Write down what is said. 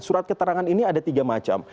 surat keterangan ini ada tiga macam